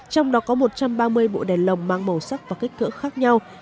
trong đó có một trăm ba mươi bộ đèn lồng mang màu sắc và kích cỡ khác nhau